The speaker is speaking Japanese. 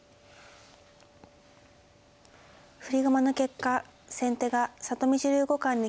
振り駒の結果先手が里見女流五冠に決まりました。